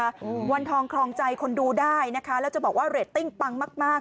อืมวันทองครองใจคนดูได้นะคะแล้วจะบอกว่าเรตติ้งปังมากมาก